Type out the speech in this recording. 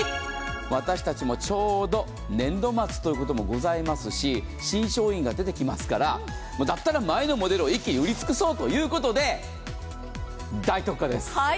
私たちもちょうど年度末ということもございますし新商品が出てきますから、だったら前のモデルを一気に売り尽くそうということで大特価です。